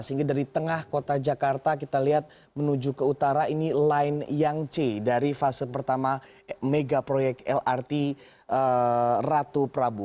sehingga dari tengah kota jakarta kita lihat menuju ke utara ini line yang c dari fase pertama mega proyek lrt ratu prabu